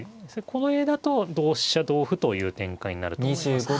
これだと同飛車同歩という展開になると思います。